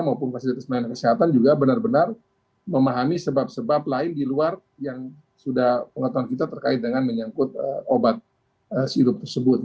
maupun fasilitas pelayanan kesehatan juga benar benar memahami sebab sebab lain di luar yang sudah pengetahuan kita terkait dengan menyangkut obat sirup tersebut